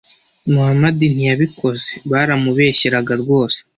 Muhamadi ntiyabikoze baramubeshyeraga rwose